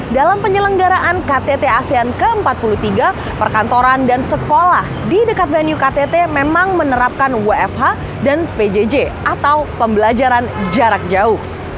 dalam penyelenggaraan ktt asean ke empat puluh tiga perkantoran dan sekolah di dekat venue ktt memang menerapkan wfh dan pjj atau pembelajaran jarak jauh